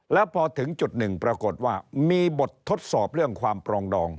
แล้วพอถึงจุดหนึ่งปรากฏว่ามีบททดสอบเรื่องความปรองดอง